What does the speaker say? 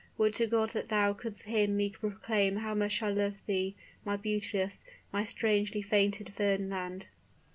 would to God that thou could'st hear me proclaim how much I love thee, my beauteous, my strangely fated Fernand!"